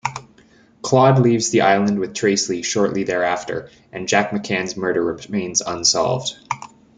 Claude leaves the island with Tracy shortly thereafter, and Jack McCann's murder remains unsolved.